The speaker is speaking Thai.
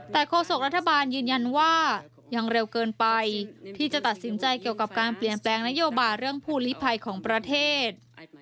แต่โฆษกรัฐบาลยืนยันว่ายังเร็วเกินไปที่จะตัดสินใจเกี่ยวกับการเปลี่ยนแปลงนโยบายเรื่องภูลิภัยของประเทศ